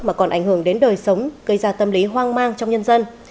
mà còn ảnh hưởng đến đời sống gây ra tâm lý hoang mang trong nhân dân